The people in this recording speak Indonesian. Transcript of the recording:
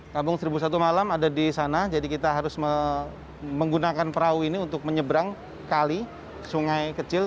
kampung seribu satu malam ada di sana jadi kita harus menggunakan perahu ini untuk menyeberang kali sungai kecil